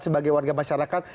sebagai warga masyarakat